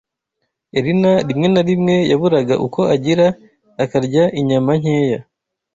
Elena rimwe na rimwe yaburaga uko agira akarya inyama nkeya